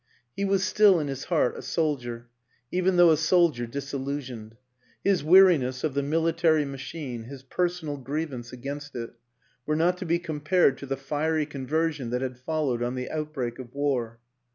He was still in his heart a soldier, even though a soldier disillusioned; his weariness of the military machine, his personal grievance against it, were not to be compared to the fiery conversion that had followed on the outbreak of war.